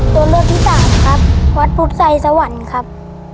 ตัวเลือกที่สามครับวัดพุทธไสสวรรค์ครับ